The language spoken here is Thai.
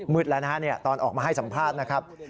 แล้วนะฮะตอนออกมาให้สัมภาษณ์นะครับ